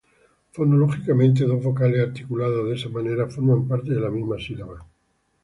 Fonológicamente dos vocales articuladas de esa manera forman parte de la misma sílaba.